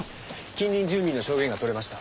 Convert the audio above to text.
近隣住民の証言が取れました。